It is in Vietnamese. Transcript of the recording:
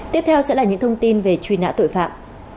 tiếp theo sẽ là những thông tin về truy nã tội phạm